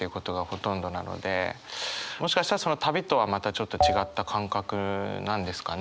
もしかしたらその旅とはまたちょっと違った感覚なんですかね？